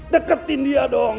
deketin dia dong